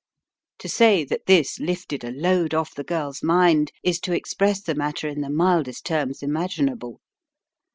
The Cry in the Night 77 To say that this lifted a load off the girl's mind, is to express the matter in the mildest terms imagin able.